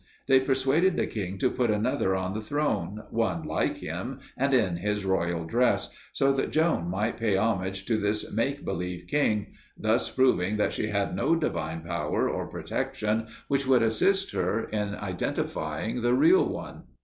They persuaded the king to put another on the throne, one like him and in his royal dress, so that Joan might pay homage to this make believe king, thus proving that she had no divine power or protection which would assist her in identifying the real one.